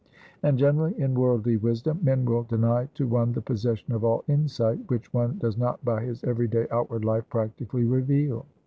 And generally, in worldly wisdom, men will deny to one the possession of all insight, which one does not by his every day outward life practically reveal.